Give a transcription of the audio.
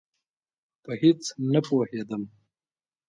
په هېڅ نه پوهېدم.